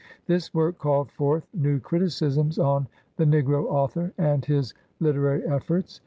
This work called forth new criticisms on the "Negro Author" and his lite rary efforts.